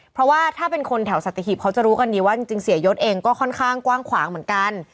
เพราะว่าถ้าเป็นคนแถวสัตหีบเขาจะรู้กันดีว่าจริงเสียยศเองก็ค่อนข้างกว้างขวางเหมือนกัน